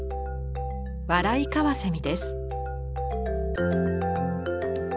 ワライカワセミです。